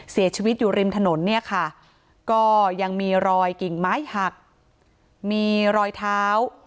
เสียชีวิตอยู่ริมถนนเนี่ยค่ะก็ยังมีรอยกิ่งไม้หักมีรอยเท้า